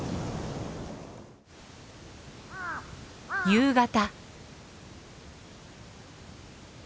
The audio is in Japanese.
夕方。